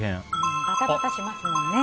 バタバタしますもんね。